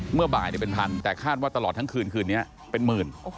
เมื่อบ่ายเป็นพันแต่คาดว่าตลอดทั้งคืนคืนนี้เป็นหมื่น